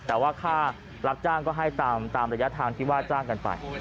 แต่ว่าค่ารับจ้างก็ให้ตามระยะทางที่ว่าจ้างกันไป